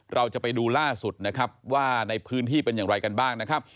เราจะไปดูล่าสุดนะครับว่าในพื้นที่เป็นอย่างไรกันบ้างนะครับ